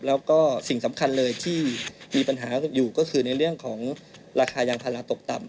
แล้วก็สิ่งสำคัญเลยที่มีปัญหาอยู่ก็คือในเรื่องของราคายางพาราตกต่ำ